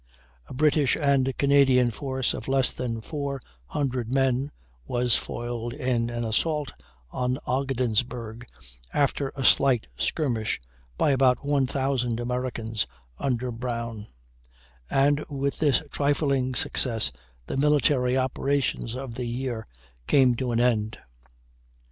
A British and Canadian force of less than 400 men was foiled in an assault on Ogdensburg, after a slight skirmish, by about 1,000 Americans under Brown; and with this trifling success the military operations of the year came to an end.